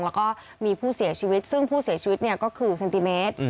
แล้วก็มีผู้เสียชีวิตซึ่งผู้เสียชีวิตก็คือเซนติเมตร